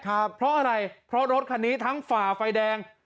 เพราะอะไรเพราะรถคันนี้ทั้งฝ่าไฟแดง